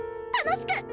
楽しく！